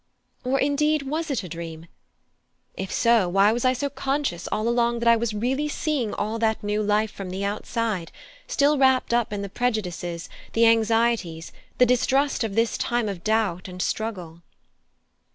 Or indeed was it a dream? If so, why was I so conscious all along that I was really seeing all that new life from the outside, still wrapped up in the prejudices, the anxieties, the distrust of this time of doubt and struggle?